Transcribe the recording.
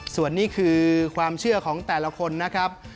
ส่วนนี้คือความเชื่อของแต่ละคนนะครับ